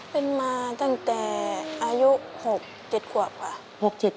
เป็นมาตั้งแต่อายุ๖๗ขวบค่ะ